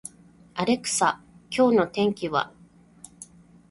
アレクサ、今日の天気は